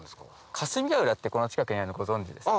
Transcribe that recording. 霞ヶ浦ってこの近くにあるのご存じですか？